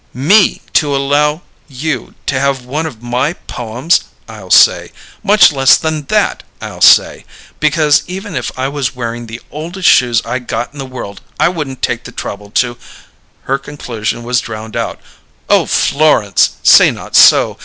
"'Me to allow you to have one of my poems?' I'll say, 'Much less than that!' I'll say, 'because even if I was wearing the oldest shoes I got in the world I wouldn't take the trouble to '" Her conclusion was drowned out. "Oh, Florence, say not so!